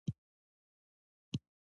ژمی د افغانانو لپاره په معنوي لحاظ ارزښت لري.